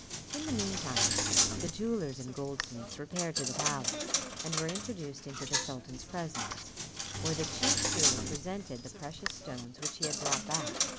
In the mean time, the jewellers and goldsmiths repaired to the palace, and were introduced into the sultan's presence; where the chief jeweller presented the precious stones which he had brought back.